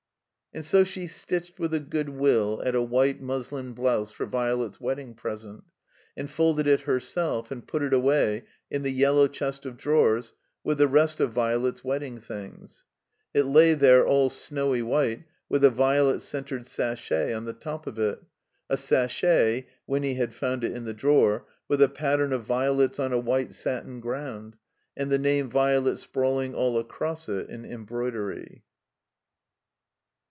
And so she stitched with a good will at a white muslin blouse for Violet's wedding present, and folded it h^ self and put it away in the yellow chest of drawers with the rest of Violet's wedding things. It lay there, all snowy white, with a violet scented sachet on the top of it, a sachet (Winny had found it in the drawer) with a pattern of violets on a white satin ground and the name "Violet" sprawling all across it in embroidery.